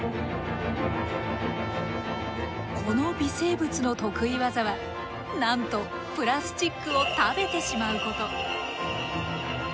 この微生物の得意技はなんとプラスチックを食べてしまうこと。